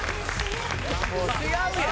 「違うやん」